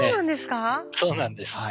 そうなんですか？